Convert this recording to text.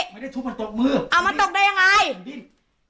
ไม่ได้ถูกมันตกมือเอามาตกได้ยังไงมันดิ้น